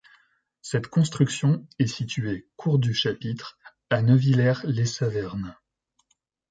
Cette construction est située cour du Chapitre à Neuwiller-lès-Saverne.